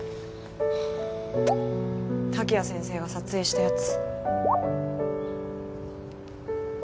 滝谷先生が撮影したやつ。